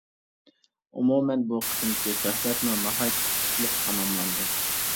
ئومۇمەن، بۇ قېتىمقى سۆھبەتمۇ ناھايىتى ئۇتۇقلۇق تاماملاندى.